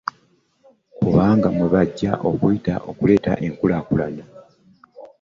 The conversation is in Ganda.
Kubanga mwe bajja okuyita okuleetawo enkulaakulana.